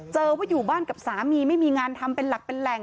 เจอว่าอยู่บ้านกับสามีไม่มีงานทำเป็นหลักเป็นแหล่ง